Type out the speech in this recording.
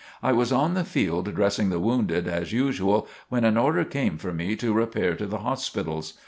I was on the field dressing the wounded, as usual, when an order came for me to repair to the hospitals.